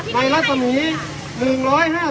ไม่ได้เจ้ง